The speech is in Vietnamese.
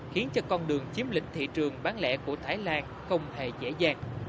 khiến cho con đường chiếm lĩnh thị trường bán lẻ của thái lan không hề dễ dàng